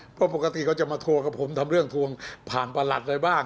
เพราะปกติเขาจะมาโทรกับผมทำเรื่องทวงผ่านประหลัดอะไรบ้าง